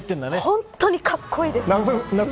本当にかっこいいです。